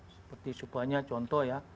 seperti supaya contoh ya